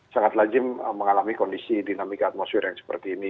sangat lazim mengalami kondisi dinamika atmosfer yang seperti ini